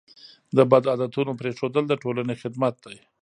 د بد عادتونو پرېښودل د ټولنې خدمت دی.